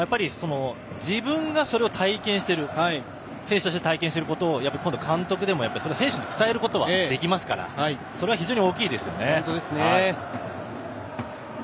自分がそれを選手として体験していることを今度は監督でも選手に伝えることはできますからそれは非常に大きいですよね。